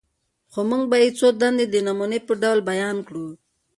خو موږ به ئې څو دندي د نموني په ډول بيان کړو: